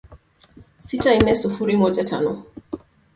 sita nne sufuri moja tano